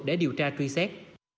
để điều tra truy xét